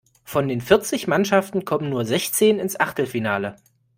Von den vierzig Mannschaften kommen nur sechzehn ins Achtelfinale.